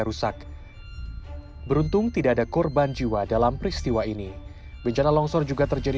rusak beruntung tidak ada korban jiwa dalam peristiwa ini bencana longsor juga terjadi